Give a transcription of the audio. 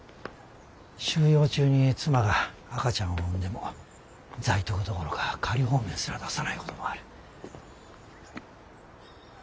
収容中に妻が赤ちゃんを産んでもザイトクどころか仮放免すら出さないこともある。